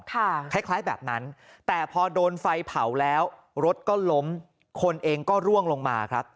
คล้ายคล้ายแบบนั้นแต่พอโดนไฟเผาแล้วรถก็ล้มคนเองก็ร่วงลงมาครับ